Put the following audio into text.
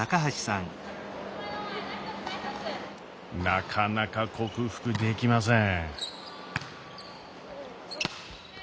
なかなか克服できません。